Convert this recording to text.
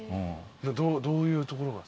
どういうところが？